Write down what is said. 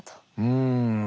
うん。